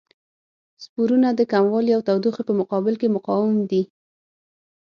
سپورونه د کموالي او تودوخې په مقابل کې مقاوم دي.